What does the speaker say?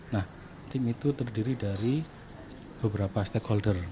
nah tim itu terdiri dari beberapa stakeholder